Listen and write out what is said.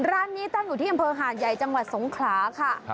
ร้านนี้ตั้งอยู่ที่อำเภอหาดใหญ่จังหวัดสงขลาค่ะ